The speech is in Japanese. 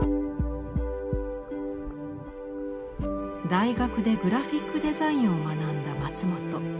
大学でグラフィックデザインを学んだ松本。